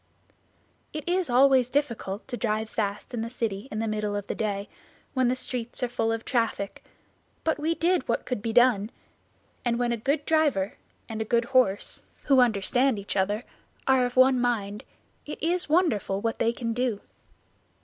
It is always difficult to drive fast in the city in the middle of the day, when the streets are full of traffic, but we did what could be done; and when a good driver and a good horse, who understand each other, are of one mind, it is wonderful what they can do.